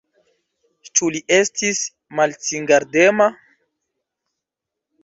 Ĉu li estis malsingardema?